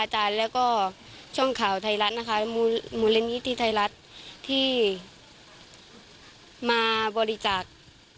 ผมขอบคุณคณะครูบาอาจารย์และก็